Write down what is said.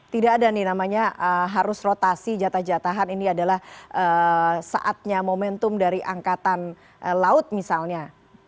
tidak ada nih namanya harus rotasi jatah jatahan ini adalah saatnya momentum dari angkatan laut misalnya